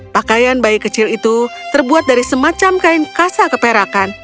pakaian bayi kecil itu terbuat dari semacam kain kasa keperakan